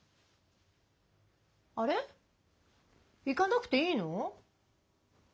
行かなくていいの？